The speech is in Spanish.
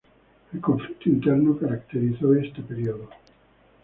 El conflicto interno caracterizó este período.